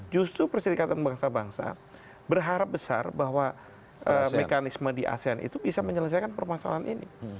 justru perserikatan bangsa bangsa berharap besar bahwa mekanisme di asean itu bisa menyelesaikan permasalahan ini